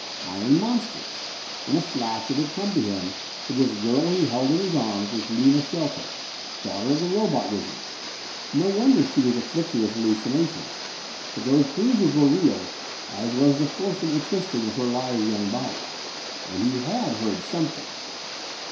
Iron monsters! In a flash it had come to him that this girl he held in his arms was Lina Shelton, daughter of the robot wizard. No wonder she was afflicted with hallucinations! But those bruises were real, as was the forcible twisting of her lithe young body. And he had heard something.